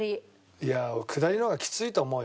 いや下りの方がきついと思うよ。